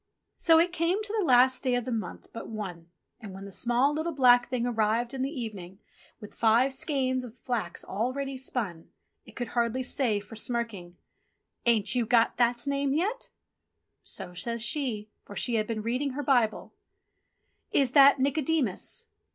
So it came to the last day of the month but one, and when the small, little, black Thing arrived in the evening with the five skeins of flax all ready spun, it could hardly say for smirking : 34 ENGLISH FAIRY TALES " Ain't you got That's name yet ?" So says she — for she had been reading her Bible : "Is That Nicodemus?"